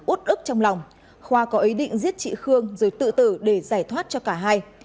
út ức trong lòng khoa có ý định giết chị khương rồi tự tử để giải thoát cho cả hai